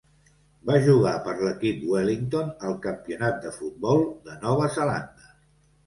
Va jugar per l'equip Wellington al Campionat de futbol de Nova Zelanda.